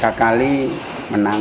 ya tiga kali menang